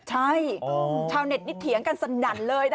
ใช่ชาวเน็ตนี่เถียงกันสนั่นเลยนะ